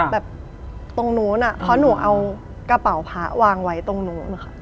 แบบตรงนู้นเพราะหนูเอากระเป๋าพระวางไว้ตรงนู้นค่ะ